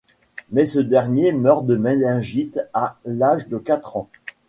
Mais ce dernier meurt de méningite à l'âge de quatre ans.